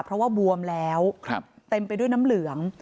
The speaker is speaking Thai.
เพราะว่าบวมแล้วเต็มไปด้วยน้ำเหลือง